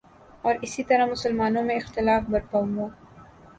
اور اس طرح مسلمانوں میں اختلاف برپا ہوا